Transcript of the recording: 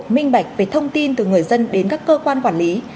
minh bạch về thông tin từ người dân đến các cơ quan quản lý